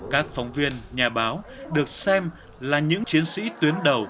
các phóng viên nhà báo được xem là những chiến sĩ tuyến đầu